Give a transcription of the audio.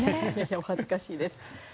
お恥ずかしいです。